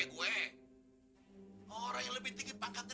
kamu tidak mengenal saya